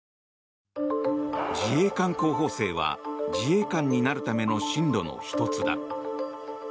自衛官候補生は自衛官になるための進路の１つだ。